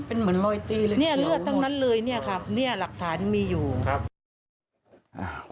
นี่เลือดตั้งนั้นเลยนี่ครับนี่หลักฐานที่มีอยู่